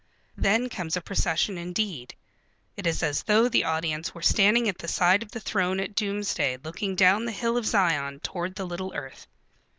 Then comes a procession indeed. It is as though the audience were standing at the side of the throne at Doomsday looking down the hill of Zion toward the little earth.